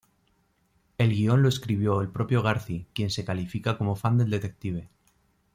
El guion lo escribió el propio Garci, quien se califica como fan del detective.